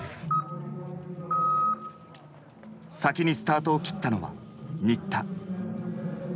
先にスタートを切ったのは新田。